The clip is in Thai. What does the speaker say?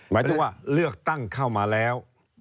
หมายถึงว่าเลือกตั้งเข้ามาแล้ว